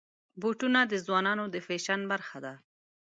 بوټونه د ځوانانو د فیشن برخه ده.